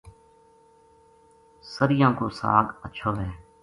سریاں کو ساگ ہچھو وھے